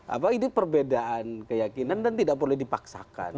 apa ini perbedaan keyakinan dan tidak boleh dipaksakan